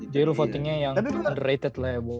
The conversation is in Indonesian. jadi lu votingnya yang underrated lah ya bo